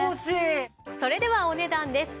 それではお値段です。